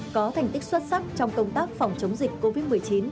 có thành tích xuất sắc trong công tác phòng chống dịch covid một mươi chín